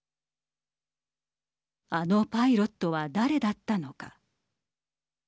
あのパイロットは誰だったのか。